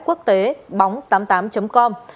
quốc tế bóng tám mươi tám com